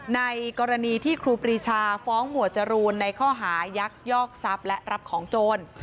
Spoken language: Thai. ในกรณีที่ครูปรีชาฟ้องหมวดจรูนในข้อหายักยอกทรัพย์และรับของโจร